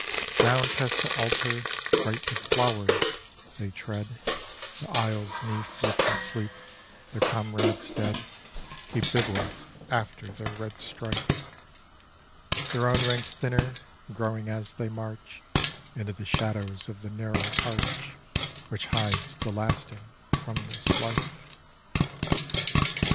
Down past the altar, bright with flowers, they tread The aisles 'neath which in sleep their comrades dead Keep bivouac after their red strife, Their own ranks thinner growing as they march Into the shadows of the narrow arch Which hides the lasting from this life.